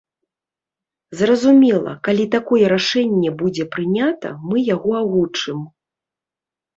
Зразумела, калі такое рашэнне будзе прынята, мы яго агучым.